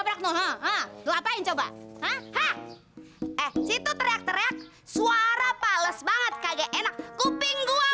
sampai jumpa di video selanjutnya